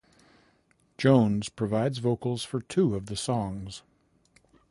Jones provides vocals for two of the songs.